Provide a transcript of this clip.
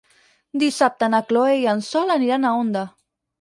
Dissabte na Chloé i en Sol aniran a Onda.